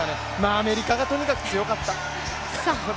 アメリカがとにかく強かった。